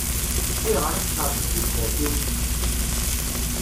Ayɣer i tesxeṛbem tibḥirt-iw?